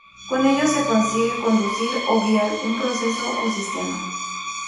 Con ello se consigue conducir o guiar un proceso o sistema.